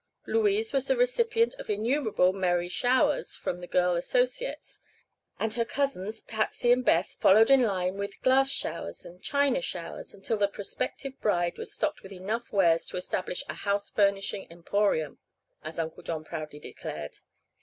Louise was the recipient of innumerable merry "showers" from her girl associates, and her cousins, Patsy and Beth, followed in line with "glass showers" and "china showers" until the prospective bride was stocked with enough wares to establish a "house furnishing emporium," as Uncle John proudly declared.